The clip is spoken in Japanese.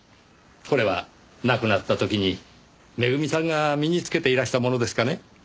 これは亡くなった時にめぐみさんが身につけていらしたものですかね？